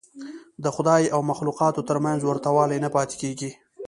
د خدای او مخلوقاتو تر منځ ورته والی نه پاتې کېږي.